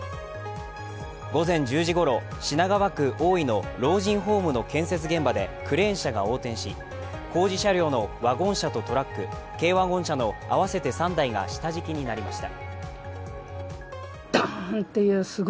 午前１０時ごろ、品川区大井の老人ホームの建設現場でクレーン車が横転し、工事車両のワゴン車とトラック、軽ワゴン車の合わせて３台が下敷きになりました。